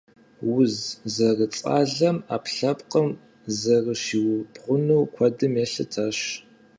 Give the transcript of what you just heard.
Уз зэрыцӀалэм Ӏэпкълъэпкъым зэрыщиубгъуныр куэдым елъытащ.